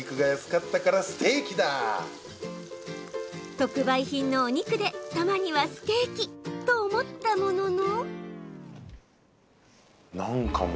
特売品のお肉でたまにはステーキ！と思ったものの。